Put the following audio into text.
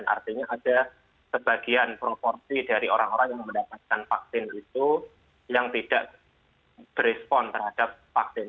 artinya ada sebagian proporsi dari orang orang yang mendapatkan vaksin itu yang tidak berespon terhadap vaksin